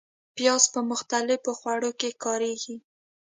پیاز په مختلفو خوړو کې کارېږي